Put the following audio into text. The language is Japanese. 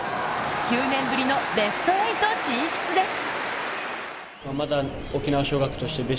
９年ぶりのベスト８進出です。